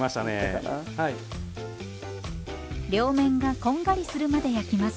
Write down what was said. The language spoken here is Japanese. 両面がこんがりするまで焼きます。